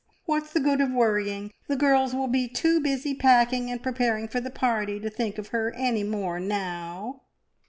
What's the good of worrying? The girls will be too busy packing and preparing for the party to think of her any more now."